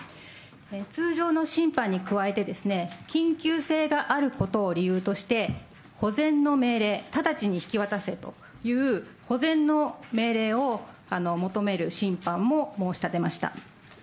通常の審判に加えてですね、緊急性があることを理由として保全の命令、直ちに引き渡せという、保全の命令を求める審判も申し立てました。